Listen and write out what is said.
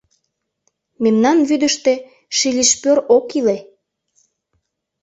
Мемнан вӱдыштӧ шилишпёр ок иле...